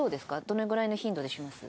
どれぐらいの頻度でします？